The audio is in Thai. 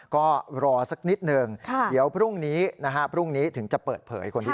ก็รอสักนิดหนึ่งเดี๋ยวพรุ่งนี้นะฮะพรุ่งนี้ถึงจะเปิดเผยคนที่